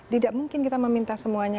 tidak mungkin kita meminta semuanya